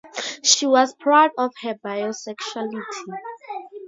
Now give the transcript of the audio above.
She was proud of her bisexuality.